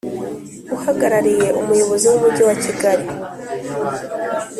Uhagarariye Umuyobozi w Umujyi wa Kigali